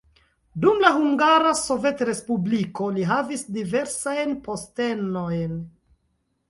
Dum la Hungara Sovetrespubliko li havis diversajn postenojn.